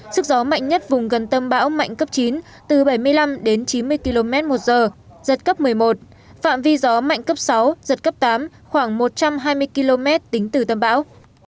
sức gió mạnh nhất vùng gần tâm bão mạnh cấp chín từ bảy mươi năm đến chín mươi km một giờ giật cấp một mươi một phạm vi gió mạnh cấp sáu giật cấp tám khoảng một trăm hai mươi km tính từ tâm bão